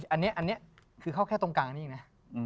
อันนี้คือเข้าแค่ตรงกลางนี้เองนะ